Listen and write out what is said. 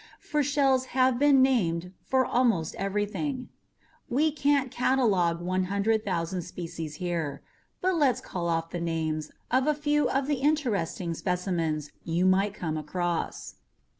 .. for shells have been named for almost everything. We can't catalog 100,000 species here, but let's call off the names of a few of the interesting specimens you might come across.